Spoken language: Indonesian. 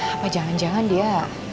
apa jangan jangan dia